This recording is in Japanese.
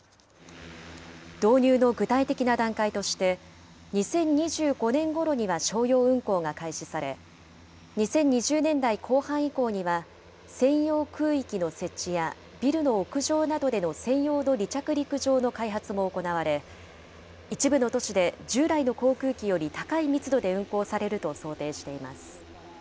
導入の具体的な段階として、２０２５年ごろには商用運航が開始され、２０２０年代後半以降には、専用空域の設置や、ビルの屋上などでの専用の離着陸場の開発も行われ、一部の都市で従来の航空機より高い密度で運航されると想定しています。